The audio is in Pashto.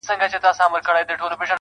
داسي قبـاله مي په وجـود كي ده.